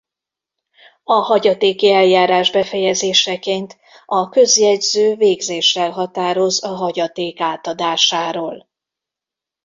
A hagyatéki eljárás befejezéseként a közjegyző végzéssel határoz a hagyaték átadásáról.